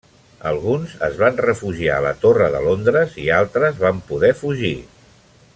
Alguns es van refugiar a la Torre de Londres i altres van poder fugir.